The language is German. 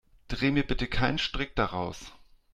Dreh mir bitte keinen Strick daraus.